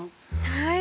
はい。